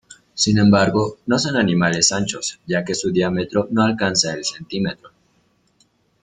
Sin embargo, no son animales anchos, ya que su diámetro no alcanza el centímetro.